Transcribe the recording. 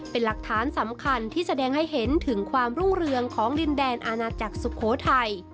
เป็นหลักฐานสำคัญที่แสดงให้เห็นถึงความรุ่งเรืองของดินแดนอาณาจักรสุโขทัย